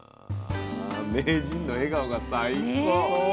名人の笑顔が最高。